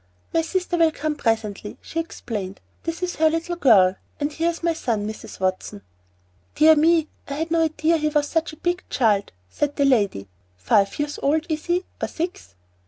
"My sister will come presently," she explained. "This is her little girl. And here is my son, Mrs. Watson." "Dear me, I had no idea he was such a big child," said that lady. "Five years old, is he, or six?